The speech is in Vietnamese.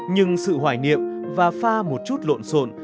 nhưng sự hoài niệm và pha một chút lộn xộn